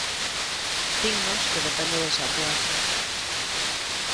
Dinnos que depende de Santiago.